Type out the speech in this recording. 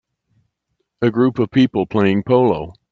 A group of people playing polo.